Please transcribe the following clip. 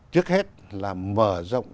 trước hết là mở rộng